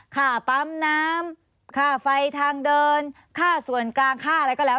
ค่าปั๊มน้ำค่าไฟทางเดินค่าส่วนกลางค่าอะไรก็แล้ว